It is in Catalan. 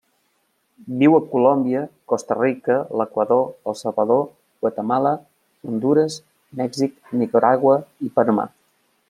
Viu a Colòmbia, Costa Rica, l'Equador, El Salvador, Guatemala, Hondures, Mèxic, Nicaragua i Panamà.